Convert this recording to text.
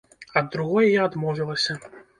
Ад другой я адмовілася.